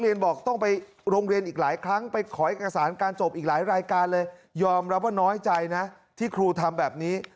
ยอมรับว่าน้อยใจนะที่ครูทำแบบนี้